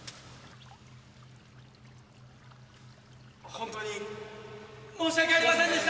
ホントに申し訳ありませんでした！